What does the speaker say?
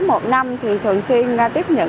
một năm thì thường xuyên tiếp nhận